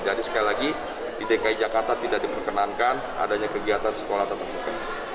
jadi sekali lagi di dki jakarta tidak diperkenankan adanya kegiatan sekolah tatap muka